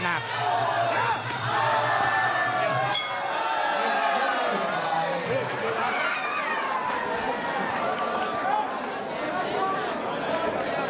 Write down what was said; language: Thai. หน้าข้างหน่มไหนอยู่กัน